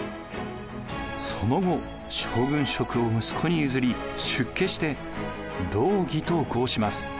その後将軍職を息子に譲り出家して道義と号します。